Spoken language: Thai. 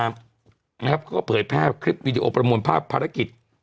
เขาก็เผยแพร่คลิปวิดีโอประมวลภาพภารกิจ